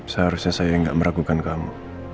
seharusnya saya tidak meragukan kamu